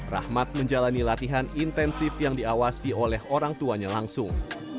rahmat menjalani latihan intensif yang diawasi oleh orang tuanya langsung